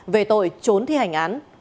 về tội trốn thi hành án